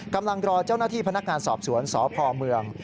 กำลังรอเจ้าหน้าที่พนักงานสอบสวนสพเมือง